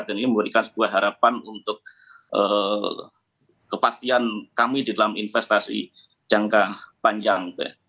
dan ini memberikan sebuah harapan untuk kepastian kami di dalam investasi jangka panjang gitu ya